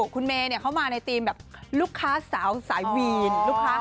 คุณเมเข้ามาในธีมรุกค้าสาวสายเวีน